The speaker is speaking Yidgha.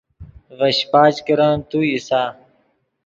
ڤے شیپچ کرن تو اِیسا